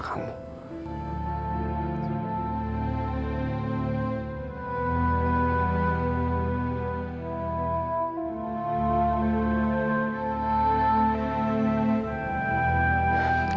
kamu tau gak